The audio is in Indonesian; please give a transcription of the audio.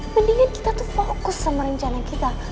mendingan kita tuh fokus sama rencana kita